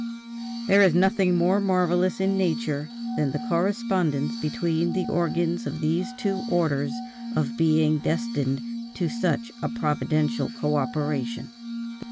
There is nothing more marvelous in nature than the correspondence between the organs of these two orders of beings destined to such a providential cooperation.